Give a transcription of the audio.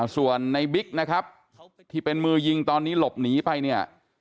ส่วนในบิ๊กนะครับที่เป็นมือยิงตอนนี้หลบหนีไปเนี่ย